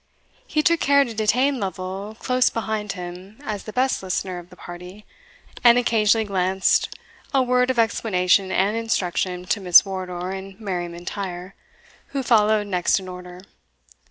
He took care to detain Lovel close beside him as the best listener of the party, and occasionally glanced a word of explanation and instruction to Miss Wardour and Mary M'Intyre, who followed next in order.